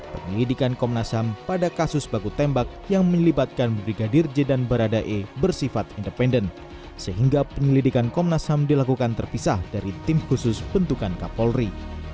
penyelidikan komnas ham pada kasus baku tembak yang melibatkan brigadir j dan baradae bersifat independen sehingga penyelidikan komnas ham dilakukan terpisah dari tim khusus bentukan kapolri